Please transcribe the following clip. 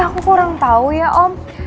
aku kurang tahu ya om